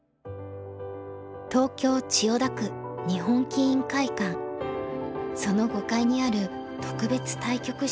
東京千代田区日本棋院会館その５階にある特別対局室